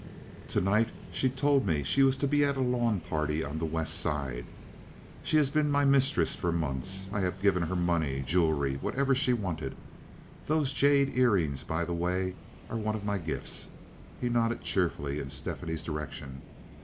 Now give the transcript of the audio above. To night she told me she was to be at a lawn party on the West Side. She has been my mistress for months. I have given her money, jewelry, whatever she wanted. Those jade ear rings, by the way, are one of my gifts." He nodded cheerfully in Stephanie's direction.